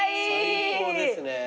最高ですね。